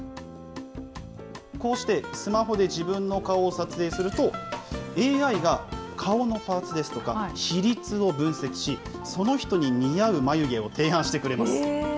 こうしてスマホで自分の顔を撮影すると、ＡＩが顔のパーツですとか、比率を分析し、その人に似合う眉毛を提案してくれます。